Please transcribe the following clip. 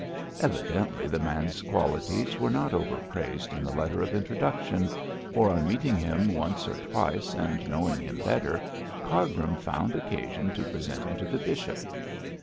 Evidently the man's qualities were not over praised in the letter of introduction, for, on meeting him once or twice and knowing him better, Cargrim found occasion to present him to the bishop.